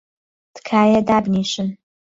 تکایە دابنیشن!